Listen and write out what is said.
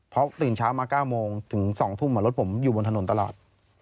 เพราะตื่นเช้ามา๙โมงถึง๒ทุ่มรถผมอยู่บนถนนตลอด